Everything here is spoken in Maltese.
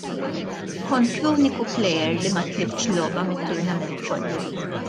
Kont l-uniku plejer li ma tliftx logħba mit-turnament kollu.